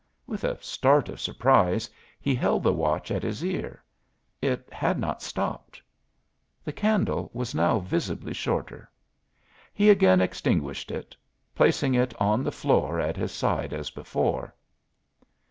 With a start of surprise he held the watch at his ear. It had not stopped. The candle was now visibly shorter. He again extinguished it, placing it on the floor at his side as before.